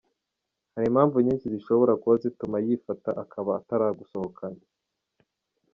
Hari impamvu nyinshi zishobora kuba zituma yifata akaba ataragusohokana .